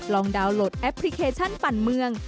ดาวน์โหลดแอปพลิเคชันปั่นเมือง